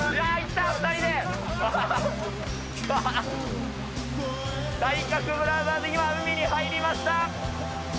体格ブラザーズ、今、海に入りました。